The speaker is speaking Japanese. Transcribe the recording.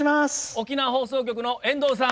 沖縄放送局の遠藤さん